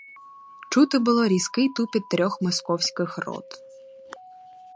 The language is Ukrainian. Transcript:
Чути було різкий тупіт трьох московських рот.